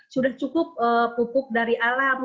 sudah cukup pupuk dari alam